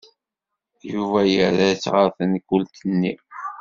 Yuba yerra-tt ɣer tenkult-nni.